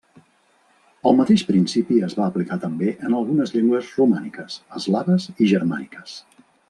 El mateix principi es va aplicar també en algunes llengües romàniques, eslaves i germàniques.